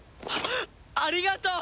ありがとう！